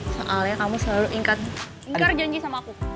soalnya kamu selalu ingat ingkar janji sama aku